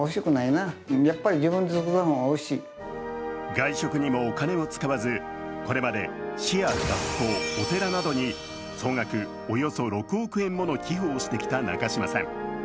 外食にもお金を使わず、これまで市や学校、お寺などに総額およそ６億円もの寄付をしてきた中嶋さん。